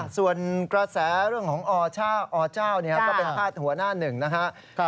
ส่วนกระแสเรื่องของอเจ้าก็เป็นพาดหัวหน้าหนึ่งนะครับ